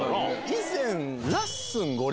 以前。